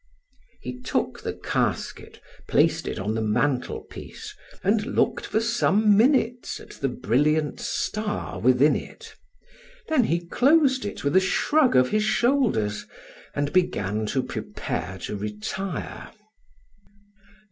He took the casket, placed it on the mantelpiece, and looked for some minutes at the brilliant star within it, then he closed it with a shrug of his shoulders and began to prepare to retire.